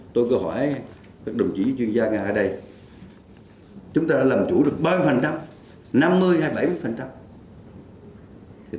tôi có hỏi các đồng chí chuyên gia ngài ở đây chúng ta đã làm chủ được ba mươi năm mươi hay bảy mươi